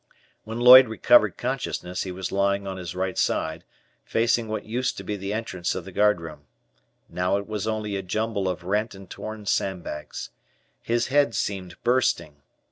When Lloyd recovered consciousness, he was lying on his right side, facing what used to be the entrance of the guardroom. Now, it was only a jumble of rent and torn sandbags. His head seemed bursting.